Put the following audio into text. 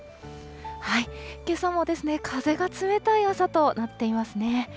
けさも風が冷たい朝となっていますね。